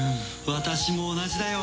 私も同じだよ